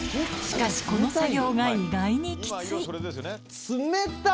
しかしこの作業が冷たっ！